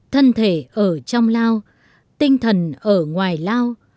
thân thể ở trong lao tinh thần ở ngoài lao